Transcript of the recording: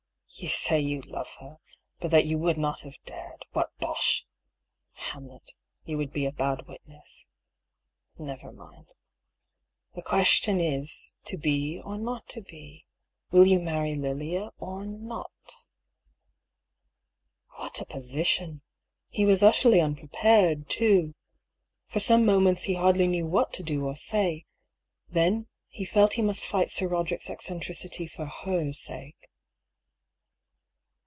" You say you love her, but that you would not have dared — what bosh! Hamlet, you would be a bad wit ness. Never mind. The question is — to be, or not to be ? Will you marry Lilia, or not f " What a position ! He was utterly unprepared, too. For some moments he hardly knew what to do or say ; then he felt he must fight Sir Roderick's eccentricity for her sake.